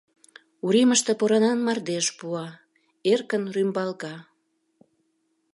Уремыште поранан мардеж пуа, эркын рӱмбалга.